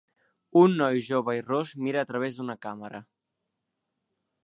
Un noi jove i ros mira a través d'una càmera.